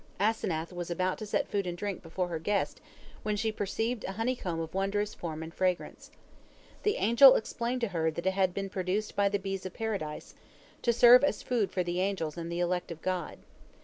Asenath was about to set food and drink before her guest, when she perceived a honeycomb of wondrous form and fragrance. The angel explained to her that it had been produced by the bees of Paradise, to serve as food for the angels and the elect of God.